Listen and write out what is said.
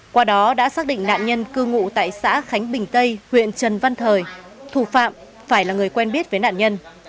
qua đó đã xác định nạn nhân cư ngụ tại xã khánh bình tây huyện trần văn thời thủ phạm phải là người quen biết với nạn nhân